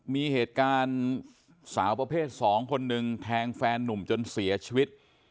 มีเหตุการณ์สาวประเภท๒คนหนึ่งแทงแฟนนุ่มจนเสียชีวิต